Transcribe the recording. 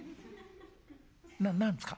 「な何ですか？」